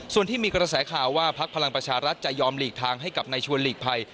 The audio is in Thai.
ส่วนที่มีกระแสข่าวว่าพักพลังประชารัฐจะยอมหลีกทางให้กับนายชวนหลีกภัย